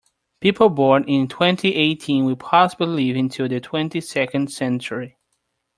People born in twenty-eighteen will possibly live into the twenty-second century.